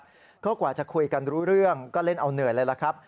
แล้วก็กว่าจะคุยกันรู้เรื่องก็เล่นเอาเหนื่อยเลยล่ะครับ